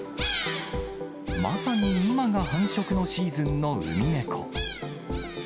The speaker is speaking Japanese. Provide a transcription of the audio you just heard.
まさに今が繁殖のシーズンのウミネコ。